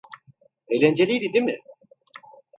Eğlenceliydi, değil mi?